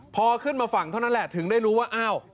พอขึ้นมาฝั่งเท่านั้นแหละถึงได้รู้ว่าอ้าว